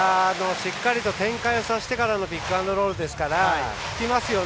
しっかりと展開をさせてからのピックアンドロールですから効きますよね。